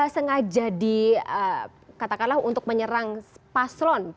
sengaja di katakanlah untuk menyerang paslon